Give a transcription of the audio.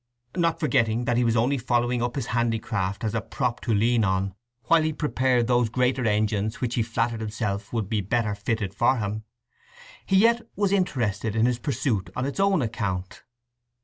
Not forgetting that he was only following up this handicraft as a prop to lean on while he prepared those greater engines which he flattered himself would be better fitted for him, he yet was interested in his pursuit on its own account.